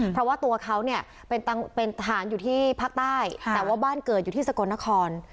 เพราะว่าตัวเขาเนี่ยเป็นทหารอยู่ที่ภาคใต้แต่ว่าบ้านเกิดอยู่ที่สกลนคร